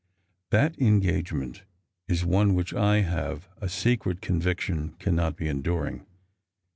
231 *• that engagement is one wliicli I have a secret convictiou cannot be enduring.